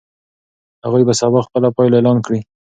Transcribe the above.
هغوی به سبا خپله پایله اعلان کړي.